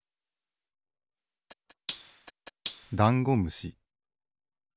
ダンゴムシ。